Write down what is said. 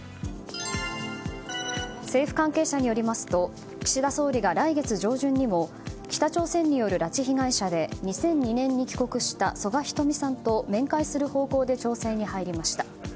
政府関係者によりますと岸田総理が来月上旬にも北朝鮮による拉致被害者で２００２年に帰国した曽我ひとみさんと面会する方向で調整に入りました。